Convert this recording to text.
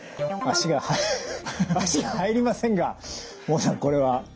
足が入りませんが孟さんこれは。